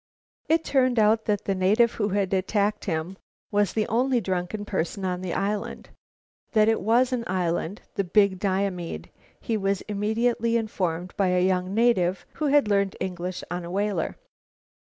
It turned out that the native who had attacked him was the only drunken person on the island. That it was an island, the Big Diomede, he was immediately informed by a young native who had learned English on a whaler.